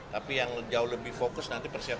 tapi yang jauh lebih fokus nanti persiapan